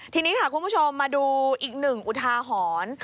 ทีนี้ค่ะคุณผู้ชมมาดูอีกหนึ่งอุทาหรณ์